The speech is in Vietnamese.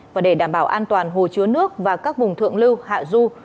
và để đảm bảo an toàn hồ chứa nước và các vùng thượng lưu hạ du